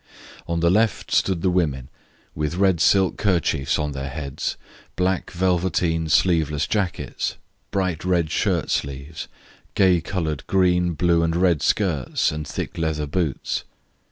On the left stood the women, with red silk kerchiefs on their heads, black velveteen sleeveless jackets, bright red shirt sleeves, gay coloured green, blue, and red skirts, and thick leather boots.